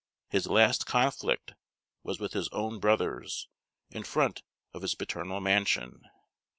His last conflict was with his own brothers, in front of his paternal mansion.